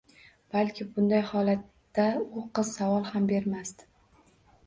Balki bunday holatda u qiz savol ham bermasdi...